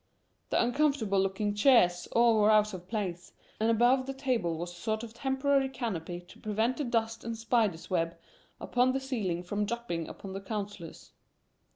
The uncomfortable looking chairs all were out of place, and above the table was a sort of temporary canopy to prevent the dust and spiders' webs upon the ceiling from dropping upon the councillors.